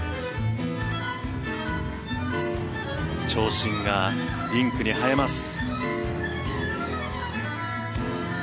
長身がリンクに映えます。